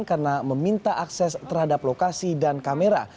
karena meminta akses terhadap lokasi dan kamera